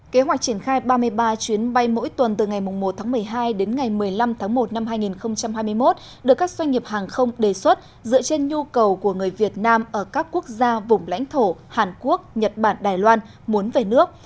kế hoạch triển khai ba mươi ba chuyến bay mỗi tuần từ ngày một tháng một mươi hai đến ngày một mươi năm tháng một năm hai nghìn hai mươi một được các doanh nghiệp hàng không đề xuất dựa trên nhu cầu của người việt nam ở các quốc gia vùng lãnh thổ hàn quốc nhật bản đài loan muốn về nước